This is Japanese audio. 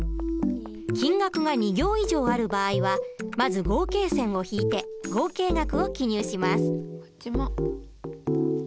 金額が２行以上ある場合はまず合計線を引いて合計額を記入します。